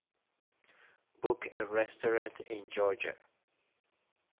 book a restaurant in Georgia